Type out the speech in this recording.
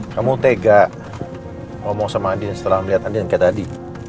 kamu tega ngomong sama andien setelah melihat andien kayak tadi